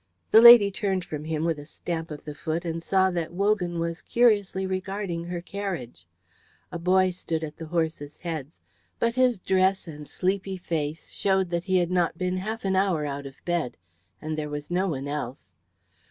The lady turned from him with a stamp of the foot and saw that Wogan was curiously regarding her carriage. A boy stood at the horses' heads, but his dress and sleepy face showed that he had not been half an hour out of bed, and there was no one else.